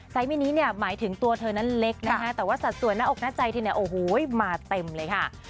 ไซส์มินิหมายถึงตัวเธอนั้นเล็กนะคะแต่ว่าสัดส่วนหน้าอกหน้าใจที่มาเต็มเลยค่ะ